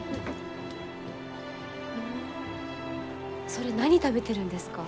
それ何食べてるんですか？